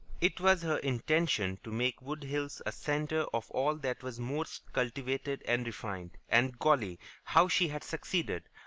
It was her intention to make Wood Hills a centre of all that was most cultivated and refined, and, golly! how she had succeeded.